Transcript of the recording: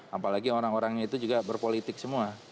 apalagi orang orangnya itu juga berpolitik semua